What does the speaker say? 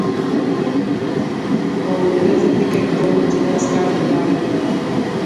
او نه زه فکر کوم چې دا ستا ګناه نده